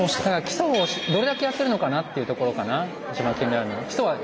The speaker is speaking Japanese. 基礎をどれだけやってるのかなっていうところかな一番気になるのは。